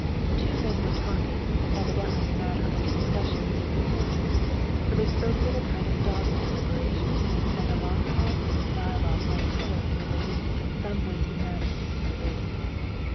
Two men were talking, and evidently the matter under discussion was of importance, for they spoke with a kind of dogged deliberation, and the long pauses in the dialogue lent color to the belief that some weighty matter was in debate.